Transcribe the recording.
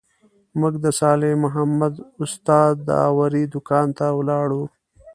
موږ د صالح محمد استاد داوري دوکان ته ولاړو.